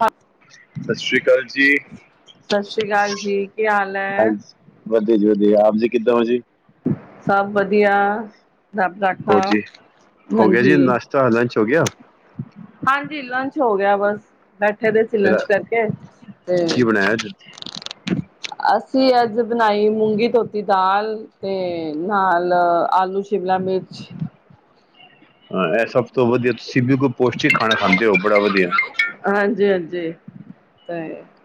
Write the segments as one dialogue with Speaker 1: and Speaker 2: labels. Speaker 1: ਹਾਂ।
Speaker 2: ਸਸ਼੍ਰੀ ਕਾਲ ਜੀ,
Speaker 1: ਸਤਿ ਸ੍ਰੀ ਅਕਾਲ ਜੀ ਕੀ ਹਾਲ ਹੈ
Speaker 2: ਹਾਂਜੀ। ਵਧੀਆ ਜੀ ਵਧੀਆ, ਆਪ ਜੀ ਕਿੱਦਾਂ ਓ ਜੀ।
Speaker 1: ਸਭ ਵਧੀਆ, ਰੱਬ ਰਾ
Speaker 2: ਹੋਰ ਜੀ, ਹੋ ਗਿਆ ਜੀ ਨਾਸ਼ਤਾ, ਲੰਚ ਹੋ ਗਿਆ?
Speaker 1: ਹਾਂਜੀ, ਲੰਚ ਹੋ ਗਿਆ ਬਸ ਬੈਠੇ ਦੇ ਸੀ ਲੰਚ ਕਰਕੇ ਤੇ
Speaker 2: ਅੱਛਾ ਜੀ।
Speaker 1: ਅਸੀਂ ਅੱਜ ਬਨਾਈ ਮੂੰਗੀ ਧੋਤੀ ਦਾਲ ਤੇ ਨਾਲ ਆਲੂ ਸ਼ਿਮਲਾ- ਮਿਰਚ।
Speaker 2: ਹਾਂ, ਐ ਸਭ ਤੋਂ ਵਧੀਆ ਤੁਸੀਂ ਬਿਲਕੁਲ ਪੋਸ਼ਟਿਕ ਖਾਣਾ ਖਾਂਦੇ ਓ ਬੜਾ ਵਧੀਆ।
Speaker 1: ਹਾਂਜੀ-ਹਾਂਜੀ। ਤੇ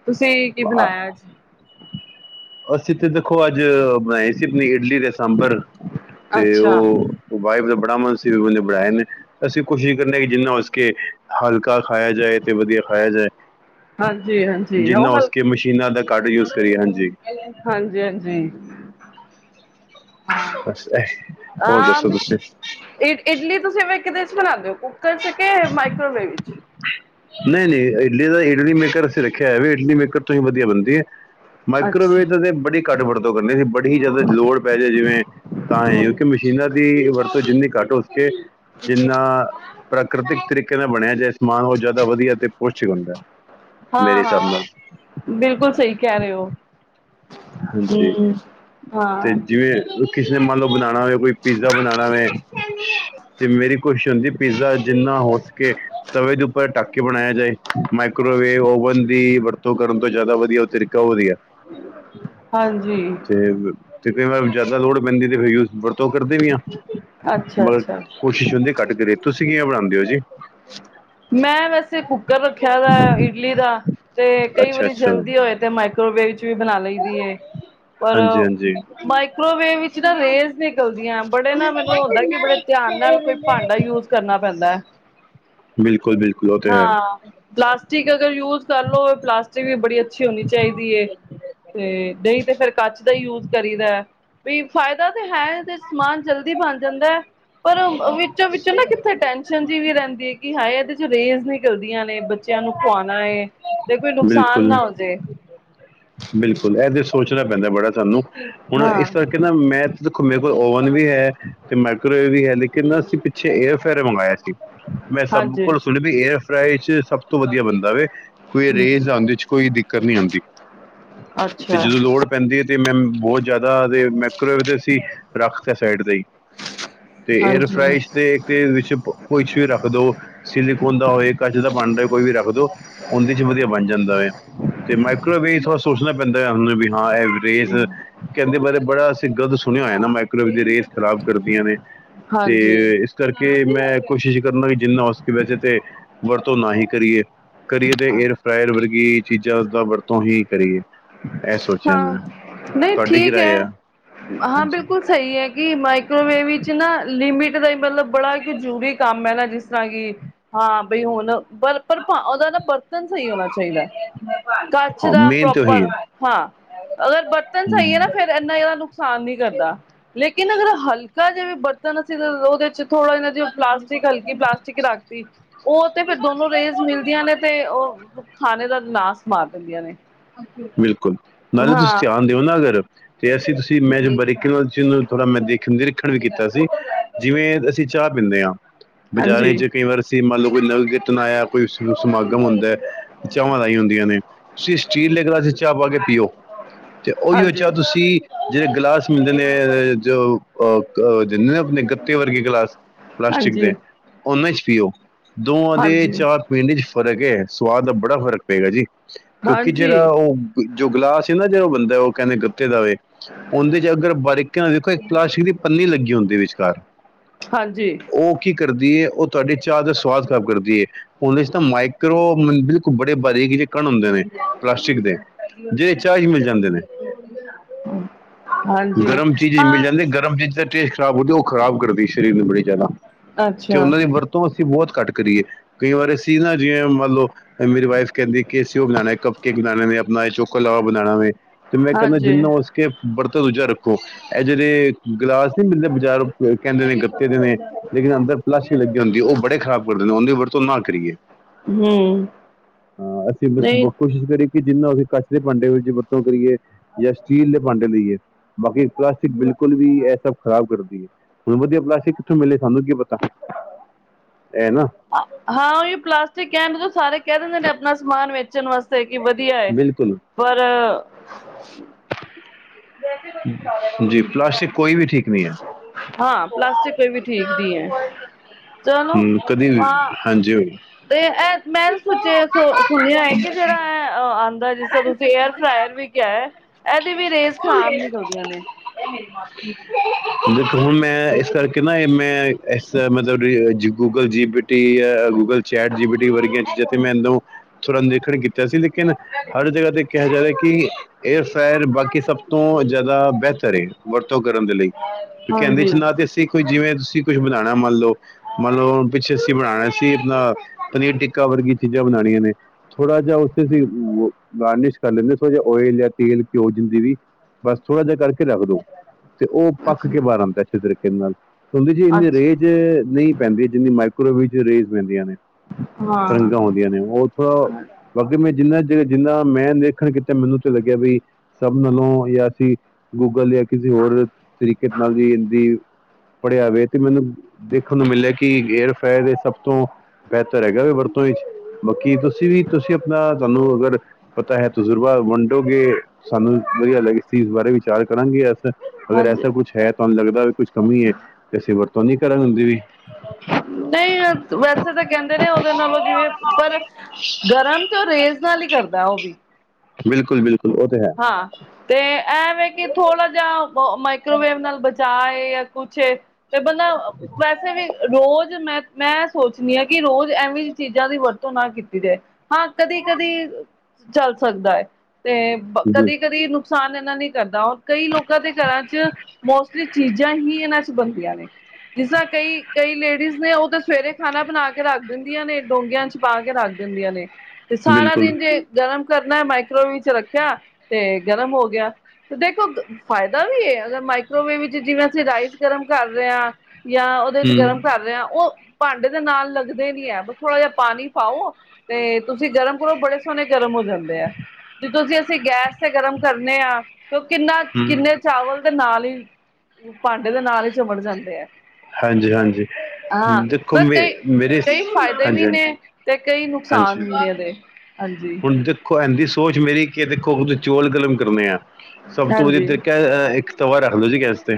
Speaker 1: ਤੁਸੀਂ ਕੀ
Speaker 2: ਆ-
Speaker 1: ਬਣਾਇਆ ਅੱਜ?
Speaker 2: ਅਸੀਂ ਤੇ ਦੇਖੋ ਅੱਜ ਬਣਾਏ ਸੀ ਅਸੀ ਅਪਨੀ ਇਡਲੀ ਤੇ ਸਾਂਬਰ ਤੇ ਓ
Speaker 1: ਅੱਛਾ
Speaker 2: ਵਾਈਫ਼ ਦਾ ਬੜਾ ਮਨ ਸੀ ਉਨੇ ਬਣਾਏ ਨੇ। ਅਸੀਂ ਕੋਸ਼ਿਸ਼ ਕਰਨੇ ਆ ਕਿ ਜਿੰਨਾ ਹੋ ਸਕੇ ਹਲਕਾ ਖਾਇਆ ਜਾਏ ਤੇ ਵਧੀਆ ਖਾਇਆ ਜਾਏ।
Speaker 1: ਹਾਂਜੀ- ਹਾਂਜੀ, ਓ
Speaker 2: ਜਿੰਨਾ ਹੋ
Speaker 1: ਹਲ
Speaker 2: ਸਕੇ ਮਸ਼ੀਨਾਂ ਦਾ ਘੱਟ ਯੂਜ ਕਰੀਏ, ਹਾਂਜੀ।
Speaker 1: ਹਾਂਜੀ-ਹਾਂਜੀ।
Speaker 2: ਬਸ ਐ, ਹੋਰ ਦੱਸੋ
Speaker 1: ਆਮ
Speaker 2: ਤੁਸੀਂ?
Speaker 1: ਇ ਇਡਲੀ ਤੁਸੀਂ ਫੇਰ ਕਿਦੇ ਚ ਬਨਾਂਦੇ ਓ ਕੁੱਕਰ ਚ ਕੇ ਮਾਈਕਰੋਵੇਵ ਚ?
Speaker 2: ਨਈ- ਨਈ, ਇਡਲੀ ਦਾ ਇਡਲੀ ਮੇਕਰ ਅਸੀਂ ਰੱਖਿਆ ਹੋਇਆ ਵੇ ਇਡਲੀ ਮੇਕਰ ਤੋਂ ਹੀ ਵਧੀਆ ਬਨਦੀ ਏ।
Speaker 1: ਅੱਛਾ
Speaker 2: ਮਾਈਕ੍ਰੋਵੇਵ ਦਾ ਤੇ ਬੜੀ ਘੱਟ ਵਰਤੋਂ ਕਰਨੀ ਸੀ। ਬੜੀ ਜ਼ਿਆਦਾ ਲੋੜ ਪੈ ਜੇ ਜਿਵੇਂ। ਤਾਂ ਈ
Speaker 1: ਹਮ
Speaker 2: ਕਿਉਂਕਿ ਮਸ਼ੀਨਾਂ ਦੀ ਵਰਤੋਂ ਜਿੰਨੀ ਘੱਟ ਹੋ ਸਕੇ ਜਿੰਨਾ ਪ੍ਰਾਕ੍ਰਿਤਿਕ ਤਰੀਕੇ ਨਾਲ ਬਣਿਆ ਜਾਏ ਸਮਾਨ ਓ ਜਾ ਜਾਦਾ ਵਧੀਆ ਤੇ ਪੋਸ਼ਟਿਕ ਹੁੰਦੈ।
Speaker 1: ਹਾਂ- ਹਾਂ, ਬਿਲਕੁਲ ਸਈ ਕੈ ਰੇ ਹੋ।
Speaker 2: ਹਾਂਜੀ,
Speaker 1: ਹਮ
Speaker 2: ਤੇ
Speaker 1: ਹਾਂ
Speaker 2: ਜਿਵੇਂ ਕਿਸੇ ਨੇ ਮੰਨ ਲਓ ਬਣਾਣਾ ਹੋਏ, ਕੋਈ ਪੀਜ਼ਾ ਬਣਾਣਾ ਹੋਏ ਤੇ ਮੇਰੀ ਕੋਸ਼ਿਸ਼ ਹੁੰਦੀ ਏ ਪੀਜ਼ਾ ਜਿੰਨਾ ਹੋ ਸਕੇ ਤਵੇ ਦੇ ਉੱਪਰ ਢੱਕ ਕੇ ਬਣਾਇਆ ਜਾਏ। ਮਾਈਕ੍ਰੋਵੇਵ, ਓਵਨ ਦੀ ਵਰਤੋਂ ਕਰਨ ਤੋਂ ਜਾਦਾ ਵਧੀਆ ਓ ਤਰੀਕਾ ਵਧੀਆ।
Speaker 1: ਹਾਂਜੀ।
Speaker 2: ਤੇ ਤੇ ਕਈ ਵਾਰ ਜਾਦਾ ਲੋੜ ਪੈਂਦੀ ਤੇ ਫਿਰ ਯੂਜ- ਵਰਤੋਂ ਕਰਦੇ ਵੀ ਆ,
Speaker 1: ਅੱਛਾ
Speaker 2: ਮਗਰ
Speaker 1: ਅੱਛਾ
Speaker 2: ਕੋਸ਼ਿਸ਼ ਹੁੰਦੀ ਏ ਘੱਟ ਕਰੀਏ। ਤੁਸੀਂ ਕਿਵੇਂ ਬਣਾਂਦੇ ਓ ਜੀ?
Speaker 1: ਮੈਂ ਵੈਸੇ ਕੁੱਕਰ ਰੱਖਿਆ ਵਾ ਇਡਲੀ ਦਾ, ਤੇ ਕਈ
Speaker 2: ਅੱਛਾ
Speaker 1: ਵਾਰੀ
Speaker 2: ਅੱਛਾ
Speaker 1: ਜਲਦੀ ਹੋਏ ਤੇ ਮਾਈਕ ਤਵੇੇ ਵਿੱਚ ਵੀ ਬਣਾ ਲਈ ਦੀ ਏ।
Speaker 2: ਹਾਂਜੀ, ਹਾਂਜੀ।
Speaker 1: ਮਾਈਕਰੋਵੇਵ ਵਿੱਚ ਨਾ ਰੇਜ਼ ਨਿਕਲਦੀਆਂ, ਬੜੇ ਨਾ ਮੈਨੂੰ ਹੁੰਦਾ ਕਿ ਬੜੇ ਧਿਆਨ ਨਾਲ ਕੋਈ ਭਾਂਡਾ ਯੂਜ਼ ਕਰਨਾ ਪੈਂਦਾ ਏ।
Speaker 2: ਬਿਲਕੁੱਲ ਬਿਲਕੁੱਲ, ਉਹ ਤੇ ਹੈ!
Speaker 1: ਹਾਂ ਪਲਾਸਟਿਕ ਅਗਰ ਯੂਜ਼ ਕਰ ਲਉ, ਪਲਾਸਟਿਕ ਵੀ ਬੜੀ ਅੱਛੀ ਹੋਣੀ ਚਾਹੀਦੀ ਏ, ਤੇ ਨਹੀਂ ਤੇ ਫੇਰ ਕੱਚ ਦਾ ਹੀ ਯੂਜ਼ ਕਰੀਦਾ। ਵੀ ਫਾਇਦਾ ਤੇ ਹੈ, ਏਦੇ ਚ ਸਮਾਨ ਜਲਦੀ ਬਨ ਜਾਂਦਾ। ਪਰ ਅ ਵਿੱਚੋ ਵਿੱਚੋ ਨਾ ਕਿੱਥੇ ਟੈਨਸ਼ਨ ਜੀ ਵੀ ਰਹਿੰਦੀ, ਕਿ ਹਾਏ ਏਦੇ ਚ ਰੇਜ਼ ਨਿਕਲਦੀਆਂ ਨੇ, ਬੱਚਿਆਂ ਨੂੰ ਖਵਾਉਣਾ ਏ, ਤੇ ਕੋਈ ਨੁਕਸਾਨ ਨਾ ਹੋ ਜੇ।
Speaker 2: ਬਿਲਕੁੱਲ, ਇਹ ਤੇ ਸੋਚਣਾ ਪੈਂਦਾ ਬੜਾ ਸਾਨੂੰ ਹੁਣ ਇਸ
Speaker 1: ਹਾਂ
Speaker 2: ਤਰਾਂ ਕਹਿਣਾ, ਮੈਂ ਤਾਂ ਦੇਖੋ ਮੇਰੇ ਕੋਲ ਓਵਨ ਵੀ ਹੈ ਤੇ ਮਾਈਕਰੋਵੇਵ ਵੀ ਹੈ, ਲੇਕਿਨ ਅਸੀਂ ਪਿੱਛੇ ਏਅਰ ਫਰਾਈਰ ਮੰਗਾਇਆ ਸੀ। ਮੈਂ ਸਭ
Speaker 1: ਹਾਂਜੀ
Speaker 2: ਕੋਲ ਸੁਣ ਲ ਵੀ ਏਅਰ ਫਰਾਈ ਚੱ ਸਭ ਤੋਂ ਵਧੀਆ ਬਣਦਾ ਵੇ। ਕੋਈ
Speaker 1: ਹਮ
Speaker 2: ਰੇਜ਼ ਆਉਂਦੇ ਚ ਕੋਈ ਦਿੱਕਤ ਨਹੀਂ ਆਉਂਦੀ, ਤੇ
Speaker 1: ਅੱਛਾ
Speaker 2: ਜਦੋਂ ਲੋੜ ਪੈਂਦੀ ਹੈ ਤੇ ਮੈਂ ਬਹੁਤ ਜ਼ਿਆਦਾ ਦੇ ਮਾਈਕਰੋਵੇਵ ਤੇ ਅਸੀਂ ਰੱਖਤਾ ਸਾਈਡ ਤੇ ਹੀ। ਤੇ ਏਅਰ ਫਰਾਈਜ਼
Speaker 1: ਹਾਂਜੀ
Speaker 2: ਚ ਤੇ ਵਿੱਚ ਕੁੱਛ ਵੀ ਰੱਖਦੋ, ਸਿਲੀਕੋਨ ਦਾ ਹੋਏ, ਕੱਚ ਦਾ ਭਾਂਡਾ, ਕੋਈ ਵੀ ਰੱਖਦੋ। ਓੰਦੇ ਚ ਵਧੀਆ ਬਣ ਜਾਂਦਾ ਹੈ, ਤੇ ਮਾਈਕ੍ਰੋਵੇਵ ਇਹ ਥੋੜ੍ਹਾ ਸੋਚਣਾ ਪੈਂਦਾ ਹੈ, ਵੀ ਹਾਂ ਇਹ ਰੇਜ਼ ਕਹਿੰਦੇ ਬਾਰੇ ਬੜਾ ਅਸੀਂ ਗਲ ਸੁਣਿਆ ਹੋਇਆ ਨਾ, ਮਾਈਕਰੋਵੇਵ ਦੇ ਰੇਜ਼ ਖਰਾਬ ਕਰਦੀਆਂ ਨੇ। ਤੇ
Speaker 1: ਹਾਂਜੀ
Speaker 2: ਇਸ ਇਸ ਕਰਕੇ ਮੈਂ ਕੋਸ਼ਿਸ਼ ਕਰਨਾ ਕਿ ਜਿੰਨਾ ਹੋ ਸਕੇ, ਵੈਸੇ ਤੇ ਵਰਤੋਂ ਨਾ ਹੀ ਕਰੀਏ। ਕਰੀਏ, ਤੇ ਏਅਰ ਫ੍ਰਾਇਰ ਵਰਗੀ ਚੀਜ਼ਾਂ ਦਾ ਵਰਤੋਂ ਹੀ ਕਰੀਏ। ਇਹ ਸੋਚਿਆ
Speaker 1: ਹਾਂ,
Speaker 2: ਮੈਂ
Speaker 1: ਨਹੀਂ
Speaker 2: ਤੁਹਾਡੀ ਕੀ
Speaker 1: ਠੀਕ
Speaker 2: ਰਾਏ
Speaker 1: ਹੈ।
Speaker 2: ਆ
Speaker 1: ਹਾਂ,
Speaker 2: ਹਾਂਜੀ
Speaker 1: ਬਿਲਕੁੱਲ ਸਹੀ ਏ ਕਿ ਮਾਈਕ ਕ੍ਰੋਵੇਵ ਵਿੱਚ ਨਾ, ਲਿਮਿਟ ਦਾ ਹੀ ਮਤਲੱਬ ਬੜਾ ਇੱਕ ਜ਼ਰੂਰੀ ਕੰਮ ਹੈ ਨਾ, ਜਿਸ ਤਰਾਂ ਕਿ ਹਾਂ ਬਈ ਹੁਣ ਪਰ, ਪਰ ਭਾ ਉਹਦਾ ਨਾ ਬਰਤਨ ਸਹੀ ਹੋਣਾ ਚਾਹੀਦਾ, ਕਛ
Speaker 2: ਹਾਂ
Speaker 1: ਦਾ
Speaker 2: ਮੇਨ ਤੇ ਉਹੀ
Speaker 1: ਪ੍ਰੋਪਰ।
Speaker 2: ਹੈ।
Speaker 1: ਹਾਂ ਅਗਰ ਬਰਤਨ ਸਹੀ ਏ
Speaker 2: ਹਮ।
Speaker 1: ਨਾ ਫੇਰ ਇੰਨਾ ਜਾਦਾ ਨੁਕਸਾਨ ਨਹੀਂ ਕਰਦਾ ਲੇਕਿਨ ਅਗਰ ਹਲਕਾ ਜਿਆ ਵੀ ਬਰਤਨ ਅਸੀਂ ਉਹਦੇ ਚ ਥੋੜਾ ਇਹਨਾਂ ਚ ਪਲਾਸਟਿਕ ਹਲਕੀ ਪਲਾਸਟਿਕ ਰਾਖਤੀ ਉਹ ਤੇ ਫੇਰ ਦੋਨੋ ਰੇਜ਼ ਮਿਲਦੀਆਂ ਨੇ, ਤੇ ਉਹ ਖਾਣੇ ਦਾ ਨਾਸ ਮਾਰ ਦਿੰਦੀਆਂ ਨੇ।
Speaker 2: ਬਿਲਕੁੱਲ ਨਾਲੇ ਤੁਸੀਂ
Speaker 1: ਹਾਂ
Speaker 2: ਧਿਆਨ ਦਿਓ ਨਾ ਅਗਰ ਤੇ ਅਸੀਂ ਤੁਸੀਂ ਮੈਂ ਜੋ ਬਾਰੀਕੀ ਨਾਲ ਚਿਨ ਨੂੰ ਥੋੜ੍ਹਾ ਮੈਂ ਦੇਖ ਨਿਰੀਖਣ ਵੀ ਕੀਤਾ ਸੀ। ਜਿਵੇਂ ਅਸੀਂ ਚਾਹ ਪੀਂਦੇ ਹਾਂ ਬਾਜ਼ਾਰ
Speaker 1: ਹਾਂਜੀ
Speaker 2: ਚ ਕਈ ਵਾਰ ਅਸੀਂ ਮੰਨ ਲਓ ਕੋਈ ਨਗਰ ਕੀਰਤਨ ਆਇਆ, ਕੋਈ ਸਮਾਗਮ ਹੁੰਦਾ ਹੈ, ਚਾਵਾਂ ਲਾਈਆਂ ਹੁੰਦੀਆਂ ਨੇ ਸਿਸ਼ ਸਟੀਲ ਦੇ ਗਲਾਸ 'ਚ ਚਾਹ ਪਾ ਕੇ ਪੀਓ ਤੇ ਉਹੀਓ
Speaker 1: ਹਾਂਜੀ
Speaker 2: ਚਾਹ ਤੁਸੀ ਜਿਹੜੇ ਗਲਾਸ ਮਿਲਦੇ ਨੇ, ਜੋ ਅਹ ਅਹ ਦਿੰਦੇ ਨੇ ਆਪਣੇ ਗੱਤੇ ਵਰਗੇ ਗਿਲਾਸ ਪਲਾਸਟਿਕ ਦੇ
Speaker 1: ਹਾਂਜੀ
Speaker 2: ਉਂਦੇ 'ਚ ਪੀਓ ਦੋਹਾਂ ਦੇ
Speaker 1: ਹਾਂਜੀ
Speaker 2: ਚਾਹ ਪੀਣ ਚ ਫ਼ਰਕ ਏ ਸਵਾਦ ਦਾ ਬੜਾ ਫ਼ਰਕ ਪਏਗਾ ਜੀ। ਕਿ ਜਿਹੜਾ
Speaker 1: ਹਾਂਜੀ,
Speaker 2: ਉਹ ਜੋ ਗਲਾਸ ਐ ਨਾ ਜਿਹੜਾ ਬੰਦਾ ਉਹ ਕਹਿੰਦੇ ਗੱਤੇ ਦਾ ਵੇ ਔਂਦੇ ਚ ਅਗਰ ਬਾਰੀਕ ਧਿਆਨ ਨਾਲ ਦੇੇਖੋ ਇੱਕ ਪਲਾਸਟਿਕ ਦੀ ਪੰਨੀ ਲੱਗੀ ਹੁੰਦੀ ਵਿਚਕਾਰ।
Speaker 1: ਹਾਂਜੀ।
Speaker 2: ਉਹ ਕੀ ਕਰਦੀ ਏ, ਉਹ ਤੁਹਾਡੀ ਚਾਹ ਦਾ ਸਵਾਦ ਖਰਾਬ ਕਰਦੀ ਏ। ਓਦੇ ਚ ਤਾਂ ਮਾਈਕਰੋ ਬਿਲਕੁਲ ਬੜੇ ਬਾਰੀਕ ਜੇ ਕਣ ਹੁੰਦੇ ਨੇ ਪਲਾਸਟਿਕ ਦੇ। ਜੇ ਚਾਏ ਵੀ ਮਿਲ ਜਾਂਦੇ ਨੇ
Speaker 1: [inaudible] ਹਾਂਜੀ
Speaker 2: ਗਰਮ ਚੀਜ਼ ਵੀ ਮਿਲ
Speaker 1: ਹਾਂ
Speaker 2: ਜਾਂਦੀ ਗਰਮ ਚੀਜ਼ ਤੇ ਤੇ ਸ਼ਬਦੋ ਖਰਾਬ ਕਰਦੀ ਸ਼੍ਰੀ ਬ੍ਰਿਜ ਆਲਾ, ਚ
Speaker 1: ਅੱਛਾ
Speaker 2: ਉਨ੍ਹਾਂ ਦੀ ਵਰਤ ਤੋਂ ਅਸੀਂ ਬੋਤ ਘੱਟ ਕਰੀਏ, ਕਈ ਵਾਰ ਅਸੀਂ ਨਾ ਜਿਵੇਂ ਮੰਨ ਲਓ ਏ ਮੇਰੀ ਵਾਈਫ ਕਹਿੰਦੀ ਕਿਸੀ ਉਹ ਲੈਣਾ ਕਪਕੇਕ ਲੈਣਾ ਵੈਂ ਆਪਣਾ ਇਹ ਚੋਕੋ ਲਾਵਾ ਬਣਾਉਣਾ ਵੈਂ ਤੇ ਮੈਂ ਕਹਿਣਾ
Speaker 1: ਹਾਂਜੀ
Speaker 2: ਜਿੰਨਾ ਹੋ ਸਕੇ, ਬਰਤਨ ਦੂਝਾ ਰੱਖੋ ਇਹ ਜਿਹੜੇ ਗਲਾਸ ਨਹੀਂ ਮਿਲਦੇ ਬਜ਼ਾਰ ਕਹਿੰਦੇ ਨੇ ਗੱਤੇ ਦੇ ਨੇ ਲੇਕਿਨ ਅੰਦਰ ਪਲਾਸ਼ਟਿਕ ਲੱਗੀ ਹੁੰਦੀ ਓ ਬੜੇ ਖਰਾਬ ਕਰਦੇ ਨੇ ਓਦੀ ਵਰਤੋਂ ਨਾ ਕਰੀਏ
Speaker 1: ਹੂੰ
Speaker 2: ਆਂ, ਅਸੀਂ ਬਸ
Speaker 1: ਨਹੀਂ
Speaker 2: ਬੁੱਕ ਕੋਸ਼ਿਸ਼ ਕਰੀਏ ਕਿ ਜਿੰਨਾ ਅਸੀਂ ਕੱਚ ਦੇ ਭਾਂਡੇ ਵਿੱਚ ਵਰਤੋਂ ਕਰੀਏ ਜਾਂ ਸਟੀਲ ਦੇ ਭਾਂਡੇ ਲਈਏ। ਬਾਕੀ ਪਲਾਸਟਿਕ ਬਿਲਕੁਲ ਵੀ ਇਹ ਸਭ ਖ਼ਰਾਬ ਕਰਦੀ ਏ। ਹੁਣ ਵਦੀਆ ਪਲਾਸਟਿਕ ਕਿੱਥੋਂ ਮਿਲੇ ਸਾਨੂੰ ਕੀ ਪਤਾ, ਏ ਨਾ
Speaker 1: ਹਾਂ ਓਈ ਪਲਾਸਟਿਕ ਕੈਨ ਮਤਲਬ ਸਾਰੇ ਕਹਿ ਦਿੰਦੇ ਨੇ ਆਪਣਾ ਸਮਾਨ ਵੇਚਣ ਵਾਸਤੇ ਫਿਰ ਕਿ ਵਦੀਆ ਏ
Speaker 2: ਬਿਲਕੁਲ
Speaker 1: ਪਰ
Speaker 2: ਜੀ ਪਲਾਸਟਿਕ ਕੋਈ ਵੀ ਠੀਕ ਨਈ ਏ।
Speaker 1: ਹਾਂ ਪਲਾਸਟਿਕ ਕੋਈ ਵੀ ਠੀਕ ਨਈ ਏ।
Speaker 2: ਹੁਮ ਕਦੇ ਵੀ ਹਾਂਜੀ
Speaker 1: ਤੇ ਇਹ ਮੈਂ ਵੀ ਸੋਚਿਆ ਸੁਣਿਆ ਏ ਕਿ ਜਿਹੜਾ ਇਹ ਆਦਾਂ ਜਿਸ ਤਰ੍ਹਾਂ ਤੁਸੀਂ ਐਰਫਰਾਵੀਕ ਕਿਏ ਇਹਦੀ ਵੀ ਰੇਸ ਖਾਮ ਨੀ ਕਰਦੀਆਂ ਨੇ?
Speaker 2: ਜਦ ਤੂੰ ਮੈਂ ਇਸ ਕਰਕੇ ਨਾ ਮੈਂ, ਇਸ ਮਤਲਬ ਬੀ ਗੂਗਲ ਜੀ ਪੀ ਟੀ ਏ Google chat G P T ਵਰਗੀਆਂ ਚੀਜਾਂ ਮੈਂ ਏਨੂੰ ਤੁਰੰਤ ਦੇਖਣ ਕਿੱਥ ਅਸੀਂ ਦੇਖਿਆ ਨਾ ਹਰ ਜਗ੍ਹਾ ਤੇ ਕਿਹਾ ਜਾ ਰਿਹਾ ਏ ਕਿ ਇਹ ਫਾਇਰ ਬਾਕੀ ਸਭ ਤੋਂ ਜ਼ਿਆਦਾ ਬਿਹਤਰ ਏ, ਵਰਤੋਂ ਕਰਨ ਦੇ ਲਈ, ਕਹਿੰਦੇ
Speaker 1: ਹਾਂਜੀ
Speaker 2: ਛੱਣਾ ਦੇ ਸਿਕ। ਕੋ ਜਿਵੇਂ ਤੁਸੀਂ ਕੁਛ ਬਣਾਉਣਾ ਮੰਨ ਲਓ। ਮੰਨ ਲਓ ਪਿੱਛੇ ਅਸੀਂ ਬਣਾਣਾ ਸੀ ਨਾ ਪਨੀਰ ਟਿੱਕਾ ਵਰਗੀ ਚੀਜ਼ਾਂ ਬਣਾਣੀਆਂ ਨੇ। ਥੋੜ੍ਹਾ ਜਿਹਾ ਉੱਥੇ ਦੀ, ਗਾਰਨਿਸ਼ ਕਰ ਲੈਂਦੇ ਥੋੜ੍ਹਾ ਜਿਹਾ ਓਇਲ ਜਾਂ ਤੇਲ-ਘਿਉ ਜਿੰਦੇ ਵੀ। ਬਸ ਥੋੜ੍ਹਾ ਜਿਹਾ ਕਰਕੇ ਰੱਖ ਦੋ। ਤੇ ਓ ਪੱਕ
Speaker 1: ਅੱਛਾ
Speaker 2: ਕੇ ਬਾਰ ਆਂਦਾ ਅੱਛੇ ਤਰੀਕੇ ਨਾਲ, ਕੁਲਦੀ ਜੀ ਇੰਨੀ ਰੇਜ
Speaker 1: ਅੱਛਾ
Speaker 2: ਨਹੀਂ। ਪੈਂਦੀ ਹੈ ਜਿੰਨੀ ਮਾਈਕ੍ਰੋਵੇਵ ਰੇਜ ਪੈਂਦੀਆਂ ਨੇ ਤਿਰੰਗਾਂ ਔਂਦੀਆਂ ਨੇ ਓ ਥੋੜਾ
Speaker 1: ਹਾਂ
Speaker 2: ਬਗੇ ਮੈਂ ਜਿੰਨਾ ਜ ਜਿੰਨਾ ਮੈਂ ਦੇਖਣ ਕੀਤਾ ਮੈਨੂੰ ਤੇ ਲੱਗਿਆ ਵੀ ਸਭ ਨਾਲੋਂ ਅਸੀਂ ਗੂਗਲ ਇੱਕ। ਕਿਸੇ ਹੋਰ ਤਰੀਕੇ ਨਾਲ ਵੀ ਹਦੀ ਪੜ੍ਹਿਆ ਵੇ ਤੇ ਮੈਨੂੰ ਦੇਖਣ ਨੂੰ ਮਿਲਿਆ ਗੇਰ ਫਾਇਦੇ ਸਭ ਤੋਂ ਬਿਹਤਰ ਹੈਗਾ ਵੀ ਵਰਤੋਂ ਵਿੱਚ ਬਾਕੀ ਤੁਸੀਂ ਵੀ ਤੁਸੀਂ ਆਪਣਾ ਤੁਹਾਨੂੰ ਅਗਰ ਪਤਾ ਏ ਤਜਰਬਾ ਵੰਡੋਗੇ ਸਾਨੂੰ ਵਦੀਆ ਲੱਗ ਚੀਜ਼ ਬਾਰੇ ਵਿਚਾਰ ਕਰਾਂਗੇ। ਅਗਰ
Speaker 1: ਹਾਂਜੀ
Speaker 2: ਐਸਾ ਕੁਛ ਏ ਤੁਹਾਨੂੰ ਲੱਗਦਾ ਵੇ ਕੁਛ ਕਮੀ ਏ ਤੇ ਅਸੀਂ ਵਰਤੋਂ ਨੀ ਕਰਨ ਦੇਵੀ।
Speaker 1: ਨਈ ਵੈਸੇ ਤਾਂ ਕੈਂਦੇ ਨੇ ਓਦੇ ਨਾਲੋਂ ਜਿਵੇਂ ਪਰ ਗਰਮ ਤੇ ਓ ਰੇਜ਼ ਨਾਲ ਈ ਕਰਦਾ ਓ ਵੀ।
Speaker 2: ਬਿਲਕੁਲ-ਬਿਲਕੁਲ ਓ ਤੇ ਐ।
Speaker 1: ਹਾਂ। ਤੇ ਐ ਵੇਂ ਕਿ ਥੋੜ੍ਹਾ ਜਿਹਾ ਮਾਈਕ੍ਰੋਵੇਰ ਨਾਲ ਬਚਾ ਏ ਯਾ ਕੁਛ ਏ। ਤੇ ਬਣਦਾ, ਵੈਸ ਵੀ ਰੋਜ਼ ਮੈਂ ਮੈਂ ਸੋਚਣੀ ਹਾਂ ਕਿ ਰੋਜ਼ ਐਵੇਂ ਹੀ ਚੀਜ਼ਾਂ ਦੀ ਵਰਤੋਂ ਨਾ ਕੀਤੀ ਜਾਏ। ਹਾਂ ਕਦੀ-ਕਦੀ ਚੱਲ ਸਕਦਾ ਏ, ਤੇ ਪ
Speaker 2: ਜੀ
Speaker 1: ਕਦੀ-ਕਦੀ ਨੂੰ ਨੁਕਸਾਨ ਏਨਾਂ ਨੀ ਕਰਦਾ ਔਰ ਕਈ ਲੋਕਾਂ ਦੇ, ਘਰਾਂ 'ਚ ਮੋਸਟਲੀ ਚੀਜਾਂ ਹੀ ਏਨਾਂ 'ਚ ਬਨਦੀਆਂ ਨੇ। ਜਿਸਰਾਂ ਕਈ, ਕਈ ਲੇਡੀਜ਼ ਨੇ ਓ ਤਾਂ ਸਵੇਰੇ ਖਾਨਾ ਬਨਾ ਕੇ ਰੱਖ ਦਿੰਦੀਆਂ ਨੇ ਡੋਂਗੀਆਂ 'ਚ ਪਾ ਕੇ ਰੱਖ ਦਿੰਦੀਆਂ ਨੇ ਤੇ ਸਾਰਾ
Speaker 2: ਬਿਲਕੁਲ
Speaker 1: ਦਿਨ ਜੇ ਗਰਮ ਕਰਨੈ ਮਾਈਕਰੋਵੀ 'ਚ ਰੱਖਿਆ ਤੇ ਗਰਮ ਹੋ ਗਿਆ। ਤੇ ਦੇਖੋ ਫਾਏਦਾ ਵੀ ਏ ਅਗਰ ਮਾਈਕ੍ਰੋਵੇਵ ਵਿੱਚ ਜਿਵੇਂ ਅਸੀ ਰਾਈਸ ਗਰਮ ਕਰ ਰੇ ਆਂ ਯਾਂ ਓਦੇ 'ਚ
Speaker 2: ਹੂੰ,
Speaker 1: ਗਰਮ ਕਰ ਰੇ ਆਂ। ਓ ਭਾਂਡੇ ਦੇ ਨਾਲ ਲੱਗਦੇ ਨੀ ਐ, ਬ ਥੋੜਾ ਜਾ ਪਾਨੀ ਪਾਓ ਤੇ ਤੁਸੀ ਗਰਮ ਕਰੋ। ਬੜੇ ਸੋਨੇ ਗਰਮ ਹੋ ਜਾਂਦੇ ਐ। ਜਦੋਂ ਤੁਸੀ ਅਸੀ ਗੈਸ ਤੇ ਗਰਮ ਕਰਨੇ ਆਂ ਤੇ ਓ ਕਿੰਨਾ
Speaker 2: ਹੂੰ,
Speaker 1: ਕਿੰਨੇ ਚਾਵਲ ਤੇ ਨਾਲ ਈ, ਭਾਂਡੇ ਦੇ ਨਾਲ ਈ ਚਮੜ ਜਾਂਦੇ ਐ।
Speaker 2: ਹਾਂਜੀ-ਹਾਂਜੀ।
Speaker 1: ਆਂ
Speaker 2: ਦੇਖੋ
Speaker 1: ਪਰ
Speaker 2: ਮੇ
Speaker 1: ਕਈ,
Speaker 2: ਮੇਰੇ
Speaker 1: ਕਈ ਫਾਇਦੇ ਵੀ ਨੇ
Speaker 2: ਹਾਂਜੀ-ਹਾਂਜੀ,
Speaker 1: ਤੇ ਕਈ ਨੁਕਸਾਨ ਵੀ ਨੇ ਏਦੇ। ਹਾਂਜੀ।
Speaker 2: ਖੋ ਐੰਦੀ ਸੋਚ ਮੇਰੀ ਕੀ ਐ ਦੇਖੋ ਹੁਨ ਜੇ ਚੋਲ ਗਲਮ ਕਰਨੇ ਆਂ, ਸਭ ਤੋਂ ਵਧੀਆ
Speaker 1: ਹਾਂਜੀ
Speaker 2: ਤਰੀਕਾ ਐ, ਐ-ਐ ਇੱਕ ਤਵਾ ਰੱਖ ਦੋ ਜੀ ਗੈਸ ਤੇ,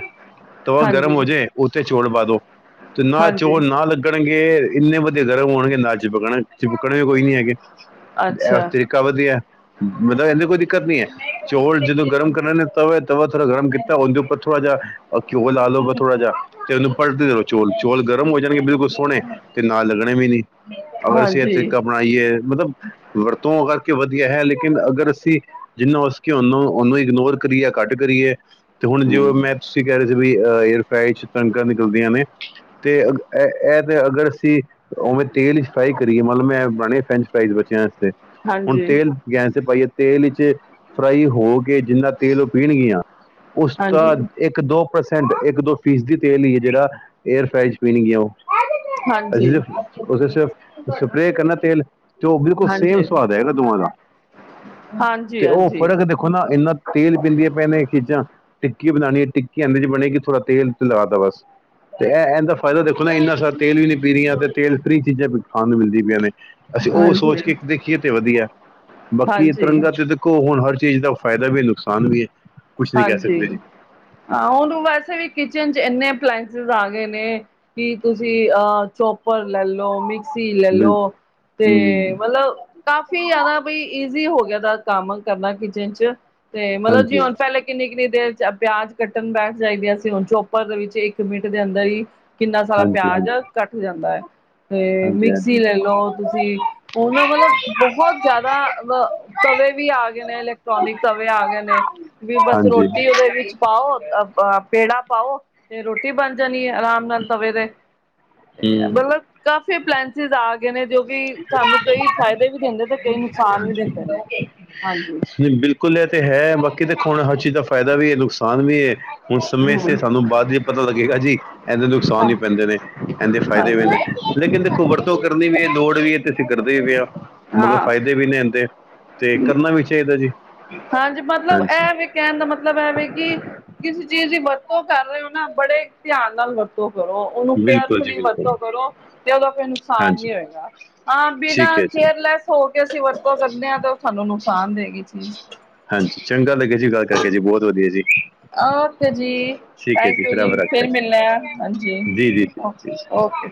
Speaker 2: ਤਵਾ ਗਰਮ
Speaker 1: ਹਾਂਜੀ
Speaker 2: ਹੋਜੇ ਓਥੇ ਚੋਲ ਪਾ ਦੋ ਤੇ ਨਾ
Speaker 1: ਹਾਂਜੀ
Speaker 2: ਚੋਲ ਨਾਲ ਲੱ ਗਨਗੇ, ਇੰਨੇ ਵਧੀਆ ਗਰਮ ਹੋਨਗੇ, ਨਾਲ ਚਿਪਕਨਾ, ਚਿਪਕਨੇ ਕੋਈ ਨੀ ਹੈਗੇ। ਐਸ
Speaker 1: ਅੱਛਾ
Speaker 2: ਤਰੀ ਕਾ ਵਧੀਐ। ਮਤਲਬ ਏਨੀ ਕੋਈ ਦਿੱਕਤ ਨੀ ਐ। ਚੋਲ ਜਦੋਂ ਗਰਮ ਕਰਨੇ ਨੇ ਤਵੇ ਤਵਾ ਥੋੜਾ ਗਰਮ ਕੀਤਾ ਓਂਦੇ ਉੱਪਰ ਥੋੜਾ ਜਿਆ ਆ ਘਿਓ ਲਾ ਲੋ ਫੇਰ ਥੋੜਾ ਜਾ। ਤੇ ਓਨੂੰ ਪਲਟਦੇ ਰਓ ਚੋਲ ਨੂੰ। ਚੋਲ ਗਰਮ ਹੋ ਜਾਨਗੇ, ਬਿਲਕੁਲ ਸੋਨੇ ਤੇ ਨਾਲ ਲੱਗਨੇ ਵੀ ਨੀ। ਅਗਰ ਅਸੀ ਐ
Speaker 1: ਹਾਂਜੀ,
Speaker 2: ਤਰੀਕਾ ਅਪ ਨਾਈਏ ਮਤਲਬ ਵਰਤੋਂ ਅ ਕਰਕੇ ਵਧੀਆ ਹੈ ਲੇਕਿਨ ਅਗਰ ਅਸੀ ਜਿੰਨਾ ਹੋ ਸਕੇ ਓਨੂੰ, ਓਨੂੰ ਇਗਨੋਰ ਕਰੀਏ ਯਾ ਘੱਟ ਕਰੀਏ ਤੇ ਹੁਣ ਜੇ ਓ ਮੈਂ ਤੁਸੀ ਕੈ ਰੇ ਸੀ ਵੀ ਅ ਏਅਰ ਫ੍ਰਾਏਅ 'ਚ ਕਨਕਾਂ ਨਿਕਲਦੀਆਂ ਨੇ ਤੇ ਅਗ ਐ ਐ ਤੇ ਅਗਰ ਅਸੀ ਓਵੇਂ ਤੇਲ ਇੱਚ ਫ੍ਰਾਈ ਕਰੀਏ ਮਤਲਬ ਮੈਂ ਬਨੇ ਫ੍ਰੈਂਚ ਫ੍ਰਾਈਜ਼ ਬੱਚਿਆਂ ਆਸਤੇ ਹੁਨ
Speaker 1: ਹਾਂਜੀ,
Speaker 2: ਤੇਲ ਗੈਸ ਤੇ ਪਾਈਏ ਤੇਲ ਇੱਚ ਫ੍ਰਾਈ ਹੋ ਕੇ ਜਿੰਨਾ ਤੇਲ ਓ ਪੀਨਗੀਆਂ, ਉਸ
Speaker 1: ਹਾਂਜੀ,
Speaker 2: ਦਾ ਏੱਕ-ਦੋ ਪਰਸੈਂਟ, ਏੱਕ-ਦੋ ਫੀਸਦੀ ਤੇਲ ਈ ਏ ਜੜਾ ਏਅਰ ਫ੍ਰਾਈ 'ਚ ਪੀਨਗੀਆਂ ਓ।
Speaker 1: ਹਾਂਜੀ,
Speaker 2: ਅਜ਼ੀ
Speaker 1: ਹਾਂਜੀ।
Speaker 2: ਓਦੇ ਸਿਰਫ਼ ਸਪ੍ਰੇ ਕਰਨਾ ਤੇਲ ਤੋ ਓ ਬਿਲਕੁਲ ਸੇਮ
Speaker 1: ਹਾਂਜੀ,
Speaker 2: ਸੁਵਾਦ ਆਏਗਾ ਦੋਵਾਂ ਦਾ ਤੇ ਓ
Speaker 1: ਹਾਂਜੀ,
Speaker 2: ਫ਼ਰਕ ਦੇ ਖੋ ਨਾ ਇੰਨਾ ਤੇਲ ਪੀਂਦੀਆਂ ਪੀਐਂ ਨੇ ਏ ਚੀਜਾਂ। ਟਿੱਕੀ ਬਨਾਨੀ ਏ ਟਿੱਕੀ ਏਵੇਂ ਨੀ ਬਨੇਗੀ ਥੋੜਾ ਤੇਲ ਖਿਲਾਰ ਤਾ ਬਸ। ਤੇ ਐ ਐਂਦਾ ਫਾਇਦਾ ਦੇਖੋ ਨਾ ਇੰਨਾ ਸਾਰ ਤੇਲ ਵੀ ਨੀ ਪੀ ਰੀਆਂ। ਫੇਰ ਤੇਲ ਫ੍ਰੀ ਚੀਜਾਂ ਭੀ ਖਾਨ ਨੂੰ ਮਿਲਦੀਆਂ ਪੀਆਂ ਨੇ ਅਸੀ ਓ ਸੋਚ
Speaker 1: ਹਾਂਜੀ,
Speaker 2: ਕੇ ਇੱਕ ਦੇਖੀਏ ਤੇ ਵਧੀਐ, ਬਾਕੀ
Speaker 1: ਹਾਂਜੀ,
Speaker 2: ਤਿਰੰਗਾ [unintelligible] ਕੋ ਹੁਨ ਹਰ ਚੀਜ ਦਾ ਫਾਇਦਾ ਵੀ ਏ ਨੁਕਸਾਨ ਵੀ ਏ।
Speaker 1: ਹਾਂਜੀ, ਹਾਂ ਓਨੂੰ ਵੈਸੇ ਵੀ ਕਿਚਨ 'ਚ ਏਨੇ ਐਪਲਾਇੰਸਿਸ ਆ ਗਏ ਨੇ ਕਿ ਤੁਸੀ ਅ ਚੋਪਰ ਲੈੱਲ ਲੋ, ਮਿਕ ਸੀ ਲੈੱਲ
Speaker 2: ਬਿਲ
Speaker 1: ਲੋ
Speaker 2: ਹਮ
Speaker 1: ਤੇ ਮਤਲਬ ਕਾਫੀ ਯਾਦਾ ਬਈ ਈਜ਼ੀ ਹੋ ਗਿਆ ਦੈ ਕੰਮ ਕਰਨਾ ਕਿਚਨ 'ਚ ਤੇ ਮਤਲਬ ਜੇ
Speaker 2: ਹਾਂਜੀ
Speaker 1: ਓਂਝ ਪੈਲੇ ਕਿੰਨੀ-ਕਿੰਨੀ ਦੇਰ 'ਚ ਅ ਪਿਆਜ ਕੱਟਨ ਬੈਠ ਜਾਈਦੀਆਂ ਸੀ, ਹੁਨ ਚੋਪਰ ਦੇ ਵਿੱਚ ਏੱਕ ਮਿੰਟ ਦੇ ਅੰਦਰ ਈ ਕਿੰਨਾ ਸਾਰਾ
Speaker 2: ਹਾਂਜੀ
Speaker 1: ਪਿਆਜ
Speaker 2: ਹਾਂਜੀ
Speaker 1: ਕੱਟ ਜਾਂਦਾ ਐ ਤੇ
Speaker 2: ਹਾਂਜੀ ਹਾਂਜੀ।
Speaker 1: ਮਿਕਸੀ ਲੈੱਲ ਲੋਂ ਤੁਸੀ ਓ ਨਾ ਮਤਲਬ ਬੋਹੋਤ ਜਿਆਦਾ ਅਵ ਤਵੇ ਵੀ ਆ ਗਏ ਨੇ, ਇਲੈਕਟ੍ਰੋਨਿਕ ਤਵੇ ਆ ਗਏ ਨੇ ਵੀ ਬਸ
Speaker 2: ਹਾਂਜੀ ਹੂੰ
Speaker 1: ਰੋਟੀ ਉਹਦੇ ਵਿੱਚ ਪਾਓ। ਪੇੜਾ ਪਾਓ ਤੇ ਰੋਟੀ ਬਣ ਜਾਣੀ ਆਰਾਮ ਤਵੇ ਤੇ ਮਤਲਬ ਕਾਫੀ ਏਪਲੈਸਿਸ ਆ ਗਏ ਨੇ ਜੋ ਵੀ ਸਾਨੂੰ ਕਈ ਫਾਇਦੇ ਵੀ ਦਿੰਦੇ ਤੇ ਕਈ ਨੁਕਸਾਨ ਵੀ
Speaker 2: ਹਾਂਜੀ
Speaker 1: ਦਿੰਦੇ ਨੇ। ਹਾਂਜੀ।
Speaker 2: ਨਹੀਂ ਬਿਲਕੁਲ ਇਹ ਤੇ ਹੈ ਬਾਕੀ ਦੇਖਾ ਹੁਣ ਹਰ ਚੀਜ਼ ਦਾ ਫਾਇਦਾ ਵੀ ਹੈ, ਨੁਕਸਾਨ ਵੀ ਹੈ ਹੁਣ ਸਮੇਂ ਸਿਰ
Speaker 1: ਹਮ
Speaker 2: ਸਾਨੂੰ ਬਾਅਦ ਪਤਾ ਲੱਗੇਗਾ ਜੀ ਇਹਦੇ ਨੁਕਸਾਨ ਹੀ ਪੈਂਦੇ ਨੇ, ਇਹਦੇ ਫਾਇਦੇ ਵੀ
Speaker 1: ਹਾਂਜੀ
Speaker 2: ਨੇ। ਲੇਕਿਨ ਦੇਖੋ ਵਰਤੋਂ ਕਰਨੀ ਵੀ ਹੈ, ਲੋੜ ਵੀ ਹੈ ਤੇ ਅਸੀਂ ਕਰਦੇ ਵੀ ਹਾਂ। ਮਗਰ
Speaker 1: ਹਾਂ
Speaker 2: ਫਾਇਦੇ ਵੀ ਨੇ ਇਹਦੇ। ਤੇ ਕਰਨਾ ਵੀ ਚਾਹੀਦਾ ਜੀ।
Speaker 1: ਹਾਂਜੀ ਮਤਲਬ
Speaker 2: ਹਾਂਜੀ।
Speaker 1: ਇਹ ਵੀ ਕਹਿਣ ਦਾ ਮਤਲਬ ਹੈਵੇ ਕਿ ਕਿਸੇ ਚੀਜ਼ ਦੀ ਵਰਤੋਂ ਕਰ ਰਹੇ ਹੋ ਨਾ, ਬੜੇ ਧਿਆਨ ਨਾਲ ਵਰਤੋਂ ਕਰੋ। ਉਹਨੂੰ
Speaker 2: ਬਿਲਕੁਲ ਜੀ
Speaker 1: ਕੇਅਰਫੁਲੀ
Speaker 2: ਬਿਲਕੁਲ
Speaker 1: ਵਰਤੋਂ ਕਰੋ ਤੇ ਉਹਦਾ ਕੋਈ ਨੁਕਸਾਨ
Speaker 2: ਹਾਂਜੀ
Speaker 1: ਨੀ ਹੋਏਗਾ। ਹਾਂ
Speaker 2: ਠੀਕ
Speaker 1: ਬਿਨਾਂ
Speaker 2: ਹੈ ਜੀ
Speaker 1: ਕੇਅਰਲੈਸ ਹੋ ਕੇ ਅਸੀਂ ਵਰਤੋਂ ਕਰਦੇ ਹਾਂ ਤੇ
Speaker 2: ਹਾਂਜੀ ਚੰਗਾ ਲੱਗਿਆ ਜੀ ਗੱਲ ਕਰਕੇ ਜੀ। ਬਹੁਤ ਵਧੀਆ ਜੀ।
Speaker 1: ਓਕੇ ਜੀ।
Speaker 2: ਠੀਕ
Speaker 1: ਥੈਂਕ ਯੂ ਜੀ। ਫਿਰ ਮਿਲਣਾ ਆ। ਹਾਂਜੀ।
Speaker 2: ਜੀ-ਜੀ। ਜੀ-ਜੀ।
Speaker 1: ਓਕੇ